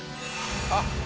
あっ！